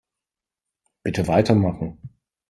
Bitte weitermachen.